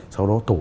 sau đó tổ chức